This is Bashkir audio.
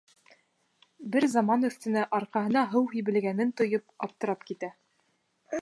Бер заман өҫтөнә, арҡаһына һыу һибелгәнен тойоп, аптырап китә.